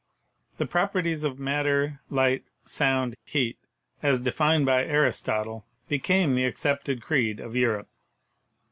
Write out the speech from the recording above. The Properties «of Matter, Light, Sound, Heat, as defined by Aristotle, be came the accepted creed of Europe.